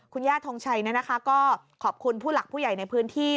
คุณย่าทงชัยก็ขอบคุณผู้หลักผู้ใหญ่ในพื้นที่